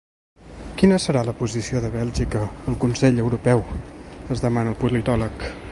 Quina serà la posició de Bèlgica al consell europeu?, es demana el politòleg.